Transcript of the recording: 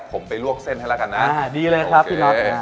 ผมไปลวกเส้นให้ละกันนะดีเลยครับพี่นอท